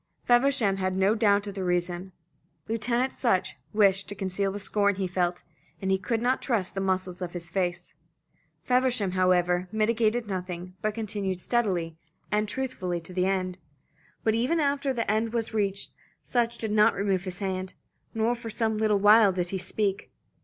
Feversham had no doubt of the reason. Lieutenant Sutch wished to conceal the scorn he felt, and could not trust the muscles of his face. Feversham, however, mitigated nothing, but continued steadily and truthfully to the end. But even after the end was reached, Sutch did not remove his hand, nor for some little while did he speak.